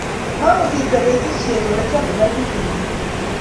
Kagosirto betushiek olecham kogaitit emet